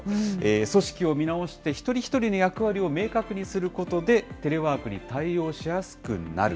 組織を見直して、一人一人の役割を明確にすることで、テレワークに対応しやすくなる。